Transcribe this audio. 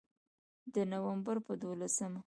د نومبر په دولسمه